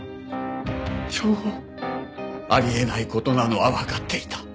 あり得ない事なのはわかっていた。